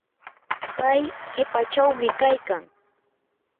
pay qipachawmi kaykan.